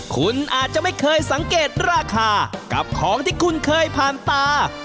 คุณอาจจะไม่เคยสังเกตราคากับของที่คุณเคยผ่านตา